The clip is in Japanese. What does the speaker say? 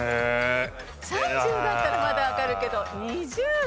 ３０だったらまだわかるけど２０代。